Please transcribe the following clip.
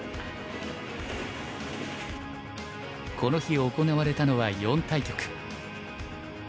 この日行われたのは４対局。